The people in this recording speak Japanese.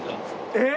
えっ？